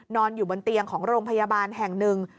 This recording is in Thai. นอนอยู่บนเตียงของโรงพยาบาลแห่งหนึ่ง